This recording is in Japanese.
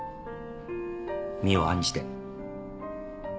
身を案じて。